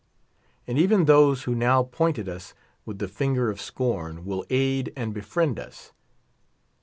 And even those who now point at us with the finger of scorn, will aid and befriend us.